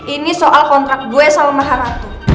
ini soal kontrak gue sama maha ratu